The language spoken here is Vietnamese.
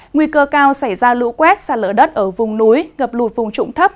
nguy cơ cao xảy ra lũ quét xa lỡ đất ở vùng núi gập lụt vùng trụng thấp